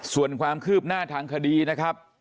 ส่วนความคืบหน้าทางคดีนะครับ